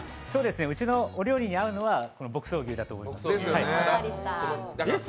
うちのお料理に合うのは牧草牛だと思います。